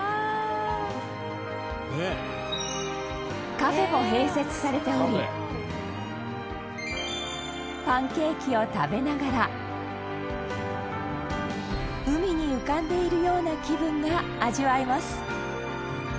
カフェも併設されておりパンケーキを食べながら海に浮かんでいるような気分が味わえます